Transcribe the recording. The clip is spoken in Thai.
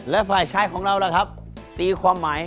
ถามจริงเธอมองฉันที่อะไร